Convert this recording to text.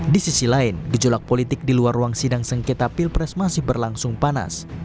di sisi lain gejolak politik di luar ruang sidang sengketa pilpres masih berlangsung panas